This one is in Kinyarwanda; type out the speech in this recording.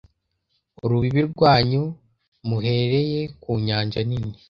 urubibi rwanyu muhereye ku nyanja nini